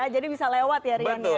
jadi bisa lewat ya rian ya